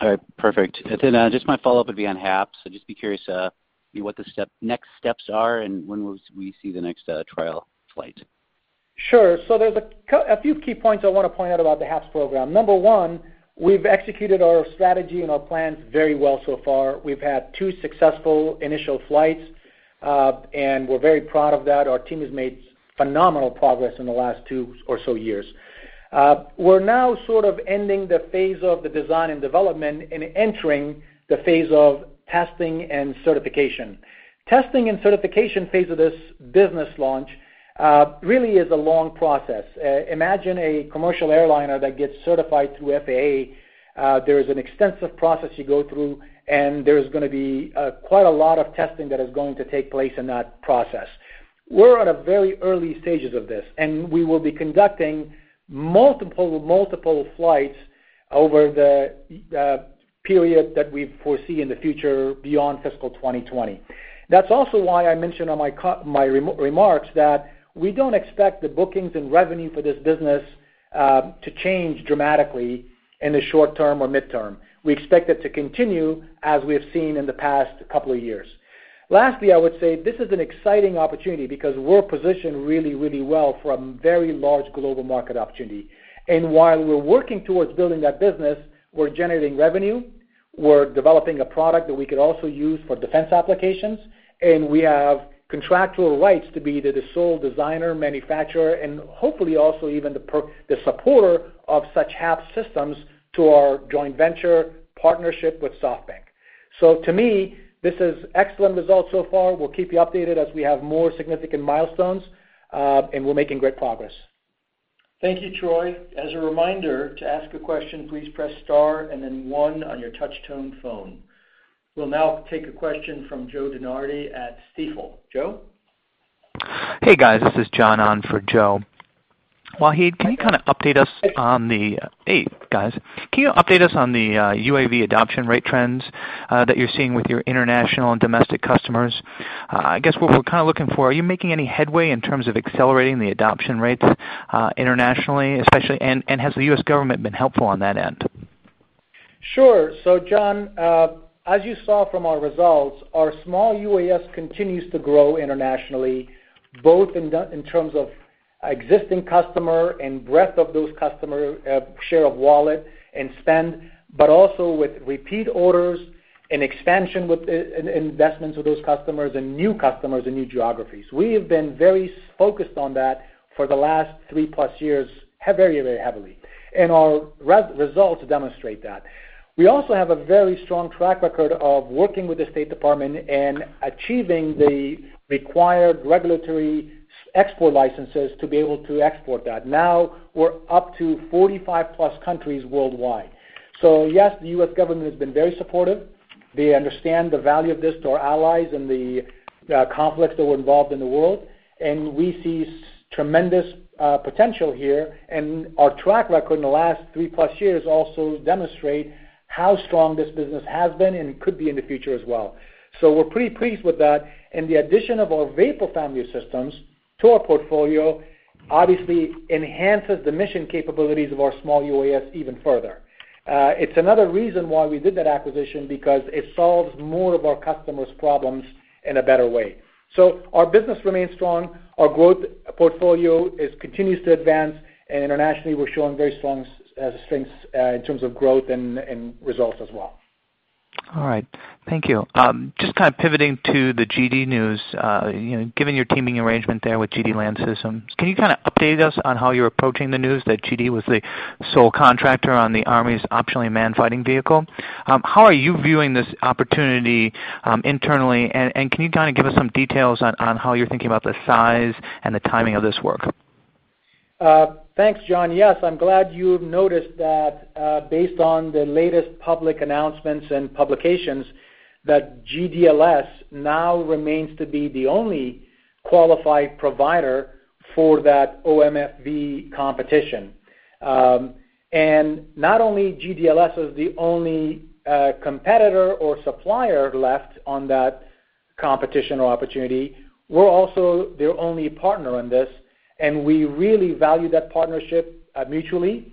Speaker 7: All right, perfect. Just my follow-up would be on HAPS. I'd just be curious what the next steps are, and when will we see the next trial flight?
Speaker 2: Sure. There's a few key points I want to point out about the HAPS program. Number one, we've executed our strategy and our plans very well so far. We've had two successful initial flights, and we're very proud of that. Our team has made phenomenal progress in the last two or so years. We're now sort of ending the phase of the design and development and entering the phase of testing and certification. Testing and certification phase of this business launch really is a long process. Imagine a commercial airliner that gets certified through FAA. There is an extensive process you go through, and there's going to be quite a lot of testing that is going to take place in that process. We're at a very early stages of this, and we will be conducting multiple flights over the period that we foresee in the future beyond fiscal 2020. That's also why I mentioned on my remarks that we don't expect the bookings and revenue for this business to change dramatically in the short term or midterm. We expect it to continue as we have seen in the past couple of years. I would say this is an exciting opportunity because we're positioned really well for a very large global market opportunity. While we're working towards building that business, we're generating revenue, we're developing a product that we could also use for defense applications, and we have contractual rights to be the sole designer, manufacturer, and hopefully also even the supporter of such HAPS systems to our joint venture partnership with SoftBank. To me, this is excellent results so far. We'll keep you updated as we have more significant milestones. We're making great progress.
Speaker 1: Thank you, Troy. As a reminder, to ask a question, please press star and then one on your touch-tone phone. We'll now take a question from Joe DeNardi at Stifel. Joe?
Speaker 8: Hey, guys. This is John on for Joe. Wahid, can you update us on the UAV adoption rate trends that you're seeing with your international and domestic customers? I guess what we're looking for, are you making any headway in terms of accelerating the adoption rates internationally, especially, and has the U.S. government been helpful on that end?
Speaker 2: Sure. John, as you saw from our results, our small UAS continues to grow internationally, both in terms of existing customer and breadth of those customer share of wallet and spend, but also with repeat orders and expansion with investments with those customers and new customers and new geographies. We have been very focused on that for the last three-plus years very heavily, our results demonstrate that. We also have a very strong track record of working with the State Department achieving the required regulatory export licenses to be able to export that. We're up to 45-plus countries worldwide. Yes, the U.S. government has been very supportive. They understand the value of this to our allies in the conflicts that we're involved in the world. We see tremendous potential here. Our track record in the last three-plus years also demonstrate how strong this business has been and could be in the future as well. We're pretty pleased with that. The addition of our VAPOR family of systems to our portfolio obviously enhances the mission capabilities of our small UAS even further. It's another reason why we did that acquisition, because it solves more of our customers' problems in a better way. Our business remains strong, our growth portfolio continues to advance. Internationally, we're showing very strong strengths in terms of growth and results as well.
Speaker 8: All right. Thank you. Just kind of pivoting to the GD news. Given your teaming arrangement there with GD Land Systems, can you update us on how you're approaching the news that GD was the sole contractor on the Army's Optionally Manned Fighting Vehicle? How are you viewing this opportunity internally, and can you give us some details on how you're thinking about the size and the timing of this work?
Speaker 2: Thanks, John. Yes. I'm glad you've noticed that based on the latest public announcements and publications, that GDLS now remains to be the only qualified provider for that OMFV competition. Not only GDLS is the only competitor or supplier left on that competition or opportunity, we're also their only partner in this, and we really value that partnership mutually.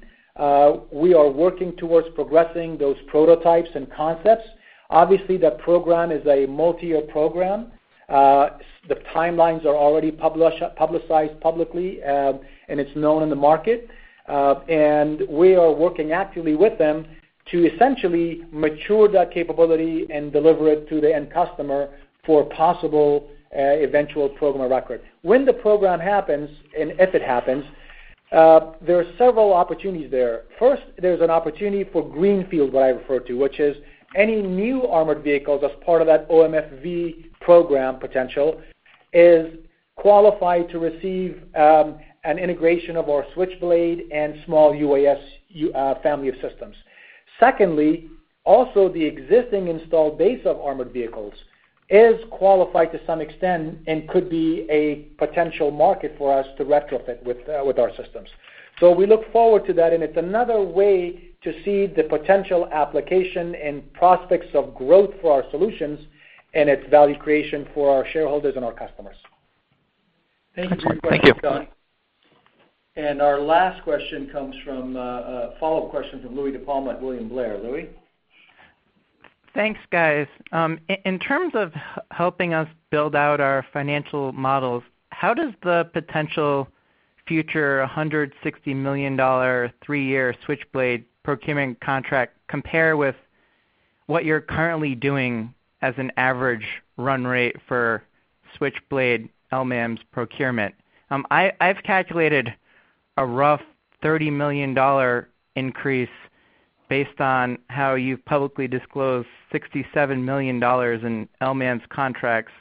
Speaker 2: We are working towards progressing those prototypes and concepts. Obviously, the program is a multi-year program. The timelines are already publicized publicly, and it's known in the market. We are working actively with them to essentially mature that capability and deliver it to the end customer for possible eventual program of record. When the program happens, and if it happens, there are several opportunities there. First, there's an opportunity for greenfield, what I refer to, which is any new armored vehicles as part of that OMFV program potential, is qualified to receive an integration of our Switchblade and small UAS family of systems. Secondly, also the existing installed base of armored vehicles is qualified to some extent and could be a potential market for us to retrofit with our systems. We look forward to that, and it's another way to see the potential application and prospects of growth for our solutions and its value creation for our shareholders and our customers.
Speaker 1: Thank you for the question, John.
Speaker 2: Thanks. Our last question comes from a follow-up question from Louie DiPalma at William Blair. Louie?
Speaker 6: Thanks, guys. In terms of helping us build out our financial models, how does the potential future $160 million three-year Switchblade procurement contract compare with what you're currently doing as an average run rate for Switchblade LMAMS procurement? I've calculated a rough $30 million increase based on how you've publicly disclosed $67 million in LMAMS contracts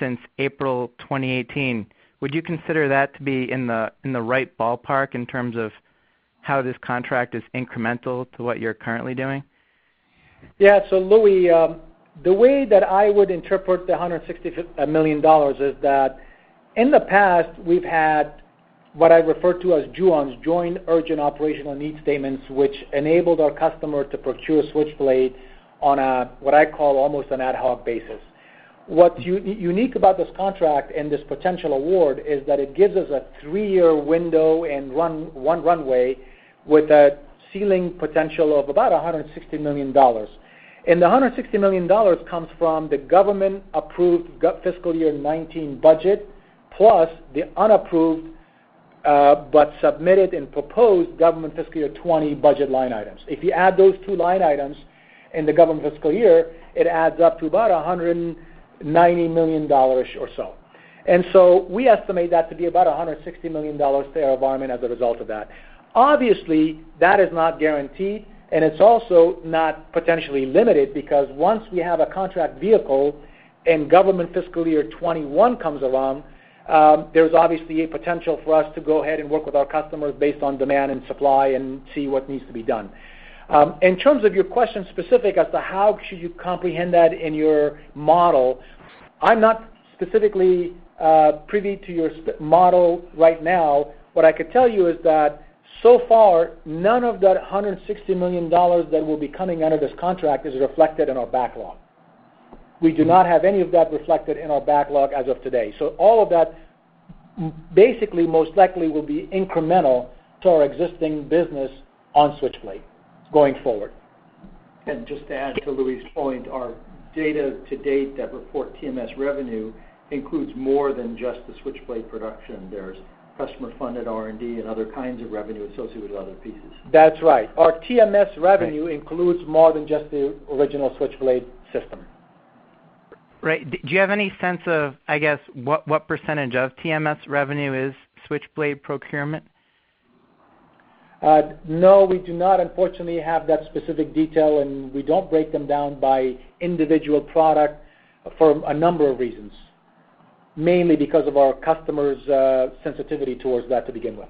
Speaker 6: since April 2018, would you consider that to be in the right ballpark in terms of how this contract is incremental to what you're currently doing?
Speaker 2: Louie, the way that I would interpret the $160 million is that in the past we've had what I refer to as JUONS, Joint Urgent Operational Need Statements, which enabled our customer to procure Switchblade on a, what I call almost an ad hoc basis. What's unique about this contract and this potential award is that it gives us a 3-year window and one runway with a ceiling potential of about $160 million. The $160 million comes from the government-approved fiscal year 2019 budget, plus the unapproved, but submitted and proposed government fiscal year 2020 budget line items. If you add those two line items in the government fiscal year, it adds up to about $190 million or so. We estimate that to be about $160 million to AeroVironment as a result of that. Obviously, that is not guaranteed, and it's also not potentially limited because once we have a contract vehicle and government fiscal year 2021 comes along, there's obviously a potential for us to go ahead and work with our customers based on demand and supply and see what needs to be done. In terms of your question specific as to how should you comprehend that in your model, I'm not specifically privy to your model right now. What I could tell you is that so far none of that $160 million that will be coming under this contract is reflected in our backlog. We do not have any of that reflected in our backlog as of today. All of that basically most likely will be incremental to our existing business on Switchblade going forward.
Speaker 1: Just to add to Louie's point, our data to date that report TMS revenue includes more than just the Switchblade production. There's customer-funded R&D and other kinds of revenue associated with other pieces.
Speaker 2: That's right. Our TMS revenue includes more than just the original Switchblade system.
Speaker 6: Right. Do you have any sense of, I guess, what % of TMS revenue is Switchblade procurement?
Speaker 2: No, we do not unfortunately have that specific detail, and we don't break them down by individual product for a number of reasons. Mainly because of our customers' sensitivity towards that to begin with.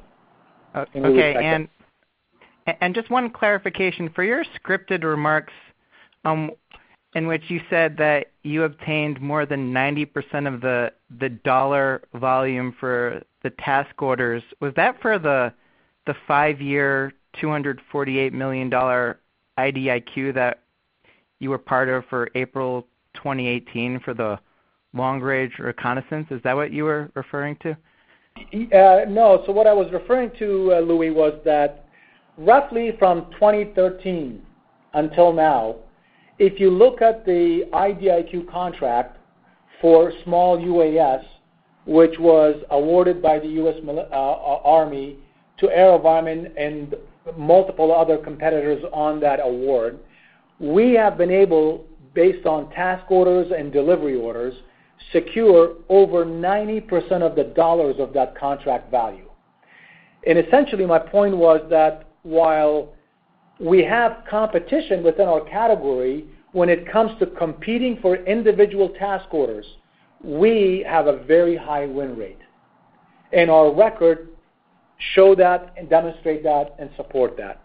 Speaker 6: Okay. Just one clarification. For your scripted remarks, in which you said that you obtained more than 90% of the dollar volume for the task orders, was that for the five-year $248 million IDIQ that you were part of for April 2018 for the long-range reconnaissance? Is that what you were referring to?
Speaker 2: No. What I was referring to, Louie, was that roughly from 2013 until now, if you look at the IDIQ contract for small UAS, which was awarded by the US Army to AeroVironment and multiple other competitors on that award, we have been able, based on task orders and delivery orders, secure over 90% of the dollars of that contract value. Essentially my point was that while we have competition within our category, when it comes to competing for individual task orders, we have a very high win rate, and our record show that and demonstrate that and support that.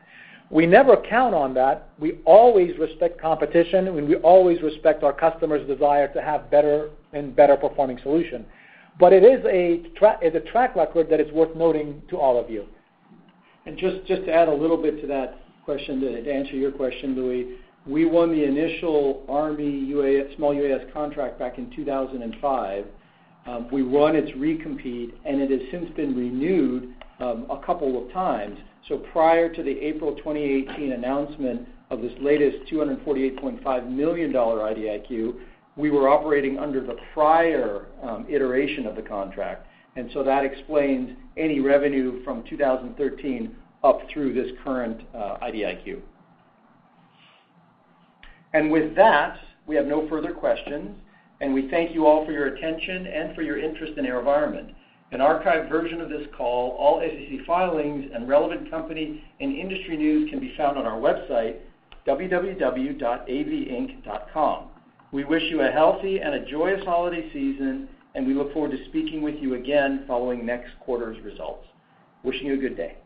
Speaker 2: We never count on that. We always respect competition, and we always respect our customer's desire to have better and better performing solution. It is a track record that is worth noting to all of you.
Speaker 1: Just to add a little bit to that question, to answer your question, Louie, we won the initial Army small UAS contract back in 2005. We won its recompete, and it has since been renewed a couple of times. Prior to the April 2018 announcement of this latest $248.5 million IDIQ, we were operating under the prior iteration of the contract, and so that explains any revenue from 2013 up through this current IDIQ. With that, we have no further questions, and we thank you all for your attention and for your interest in AeroVironment. An archived version of this call, all SEC filings and relevant company and industry news can be found on our website, www.avinc.com. We wish you a healthy and a joyous holiday season, and we look forward to speaking with you again following next quarter's results. Wishing you a good day